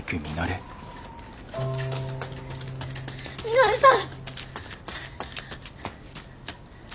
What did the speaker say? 稔さん！